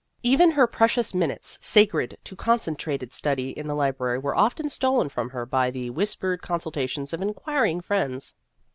Even her precious minutes sacred to concentrated study in the library were often stolen from her by the whispered consultations of inquiring friends.